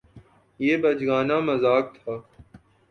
یہ بچگانہ مذاق تھا